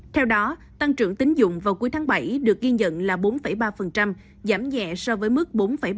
theo đó tăng trưởng tính dụng vào cuối tháng bảy được ghi nhận là bốn ba giảm nhẹ so với mức bốn bảy